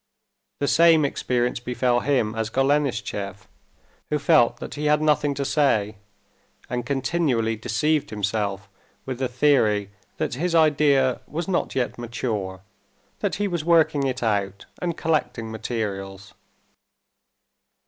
The same experience befell him as Golenishtchev, who felt that he had nothing to say, and continually deceived himself with the theory that his idea was not yet mature, that he was working it out and collecting materials.